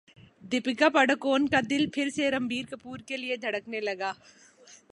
دپیکا پڈوکون کا دل پھر سے رنبیر کپور کے لیے دھڑکنے لگا